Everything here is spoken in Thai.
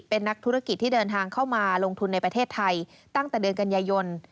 เป็นนักธุรกิจที่เดินทางเข้ามาลงทุนในประเทศไทยตั้งแต่เดือนกันยายน